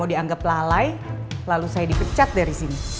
udah lah prince